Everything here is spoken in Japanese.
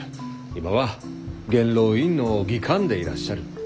今は元老院の議官でいらっしゃる。